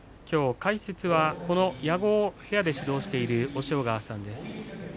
きょう解説はこの矢後を部屋で指導している押尾川さんです。